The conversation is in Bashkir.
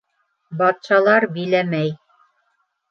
Батшалар биләмәй.